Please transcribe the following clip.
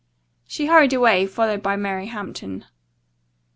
She hurried away, followed by Mary Hampton.